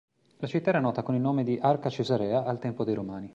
La città era nota con il nome di "Arca Caesarea" al tempo dei Romani.